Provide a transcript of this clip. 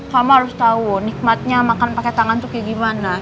kamu harus tahu nikmatnya makan pakai tangan tuh kayak gimana